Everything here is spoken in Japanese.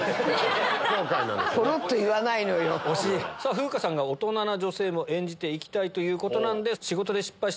さぁ風花さんが大人な女性も演じていきたいということで。